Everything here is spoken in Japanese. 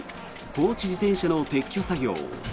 放置自転車の撤去作業。